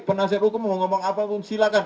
penasihat hukum mau ngomong apapun silakan